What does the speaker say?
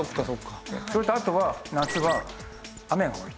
それとあとは夏は雨が多いと。